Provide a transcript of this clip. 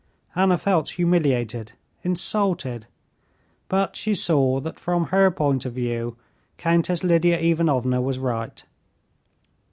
Anna felt humiliated, insulted, but she saw that from her point of view Countess Lidia Ivanovna was right.